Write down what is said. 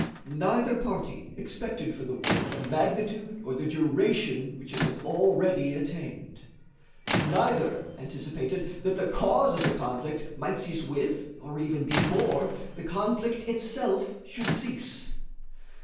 Neither party expected for the war the magnitude or the duration which it has already attained. Neither anticipated that the cause of the conflict might cease with, or even before, the conflict itself should cease.